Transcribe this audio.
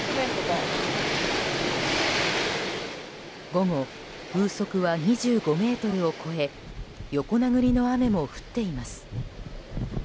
午後、風速は２５メートルを超え横殴りの雨も降っています。